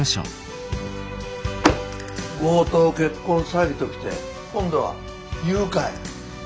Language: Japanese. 強盗結婚詐欺ときて今度は誘拐。